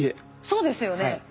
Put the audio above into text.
そうですよね。